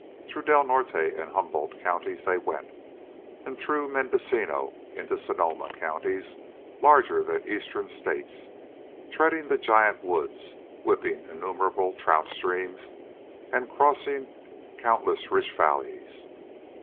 Through Del Norte and Humboldt counties they went, and through Mendocino into Sonoma counties larger than Eastern states threading the giant woods, whipping innumerable trout streams, and crossing countless rich valleys.